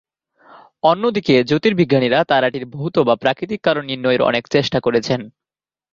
অন্যদিকে জ্যোতির্বিজ্ঞানীরা তারাটির ভৌত বা প্রাকৃতিক কারণ নির্ণয়ের অনেক চেষ্টা করেছেন।